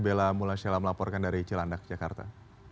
bella mulasela melaporkan dari cilandak jakarta